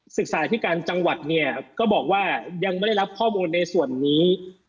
ศึกษาธิการจังหวัดเนี่ยก็บอกว่ายังไม่ได้รับข้อมูลในส่วนนี้